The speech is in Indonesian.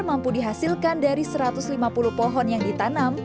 mampu dihasilkan dari satu ratus lima puluh pohon yang ditanam